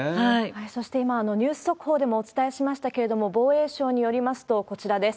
そして今、ニュース速報でもお伝えしましたけれども、防衛省によりますと、こちらです。